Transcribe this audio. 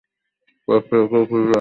তোর ছেলেকেও খুঁজে বের করবো।